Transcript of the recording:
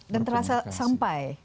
dan terasa sampai